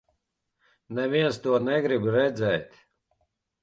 Neviens to negrib redzēt.